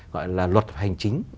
gọi là luật hành chính